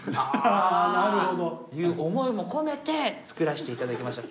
ああなるほど！いう思いもこめてつくらしていただきました。